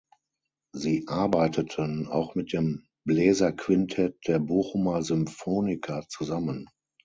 Sie arbeiteten auch mit dem Bläserquintett der Bochumer Symphoniker zusammen.